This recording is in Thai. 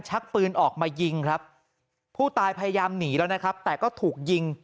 ชักปืนออกมายิงครับผู้ตายพยายามหนีแล้วนะครับแต่ก็ถูกยิง